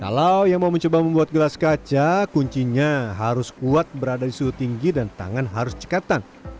kalau yang mau mencoba membuat gelas kaca kuncinya harus kuat berada di suhu tinggi dan tangan harus cekatan